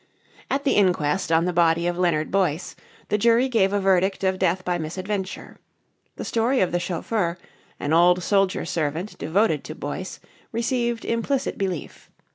At the inquest on the body of Leonard Boyce, the jury gave a verdict of death by misadventure. The story of the chauffeur, an old soldier servant devoted to Boyce, received implicit belief.